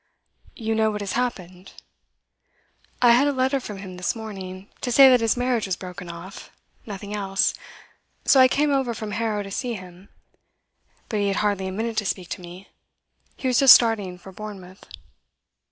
'You know what has happened?' 'I had a letter from him this morning, to say that his marriage was broken off nothing else. So I came over from Harrow to see him. But he had hardly a minute to speak to me. He was just starting for Bournemouth.